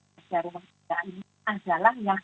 pekerja rumah tangga ini adalah yang